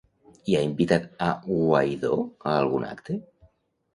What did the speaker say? I ha invitat a Guaidó a algun acte?